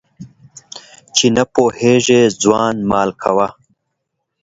چي نه پوهېږي ځوان مال کوه.